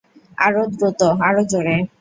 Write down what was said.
আরও দ্রুত, আরও জোরে।